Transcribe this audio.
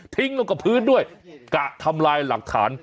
ลงกับพื้นด้วยกะทำลายหลักฐาน